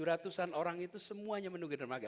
tujuh ratus an orang itu semuanya menunggu di dermaga